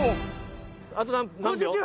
あと何秒？